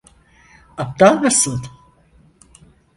Aptal mısın?